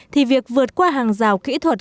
thì việc vượt qua hàng rào kỹ thuật